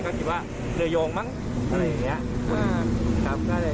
ก็คิดว่าเรือยงมั้งอะไรอย่างนี้